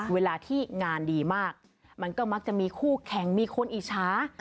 เวลาที่งานดีมากมันก็มักจะมีคู่แข่งมีคนอิจฉา